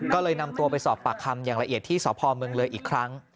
ก็เลยนำตัวไปสอบปากคำอย่างละเอียดที่สพเมืองเลยอีกครั้ง